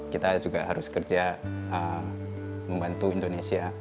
kita harus bekerja untuk membantu indonesia